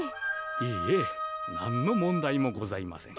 いいえ何の問題もございません。